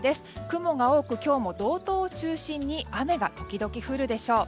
雲が多く、今日も道東を中心に雨が時々降るでしょう。